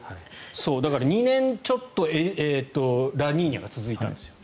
だから、２年ちょっとラニーニャが続いたんです。